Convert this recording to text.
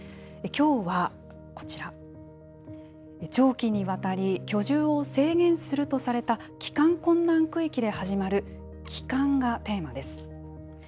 きょうはこちら、長期にわたり、居住を制限するとされた帰還困難区域で始まる、帰還がテーマです。